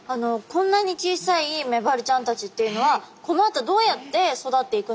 こんなに小さいメバルちゃんたちっていうのはこのあとどうやって育っていくんですか？